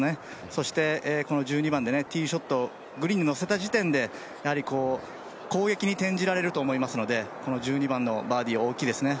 そしてこの１２番でティーショットをグリーンに乗せた時点で攻撃に転じられると思いますので、１２番のバーディーは大きいですね。